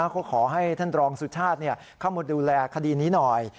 ก็ขอให้ท่านรองสุชาติเข้ามาดูแลคดีนี้หน่อย